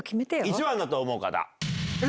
１番だと思う方？